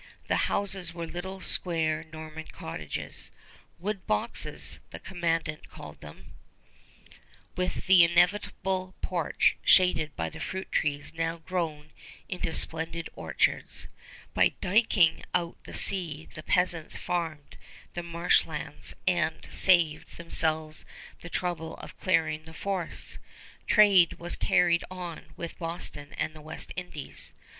The houses were little square Norman cottages, "wooden boxes" the commandant called them, with the inevitable porch shaded by the fruit trees now grown into splendid orchards. By diking out the sea the peasants farmed the marsh lands and saved themselves the trouble of clearing the forests. Trade was carried on with Boston and the West Indies.